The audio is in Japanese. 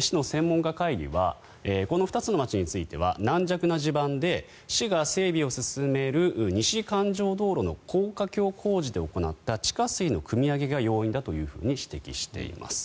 市の専門家会議はこの２つの町については軟弱な地盤で、市が整備を進める西環状道路の高架橋工事で行った地下水のくみ上げが要因だと指摘しています。